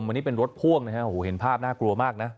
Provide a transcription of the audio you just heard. วันนี้เป็นรถพ่วงนะฮะโอ้โหเห็นภาพน่ากลัวมากนะ